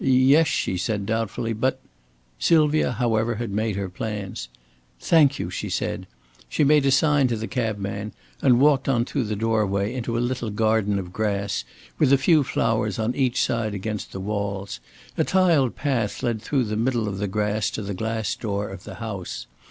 "Yes," she said, doubtfully, "but " Sylvia, however, had made her plans. "Thank you," she said. She made a sign to the cabman, and walked on through the doorway into a little garden of grass with a few flowers on each side against the walls. A tiled path led through the middle of the grass to the glass door of the house.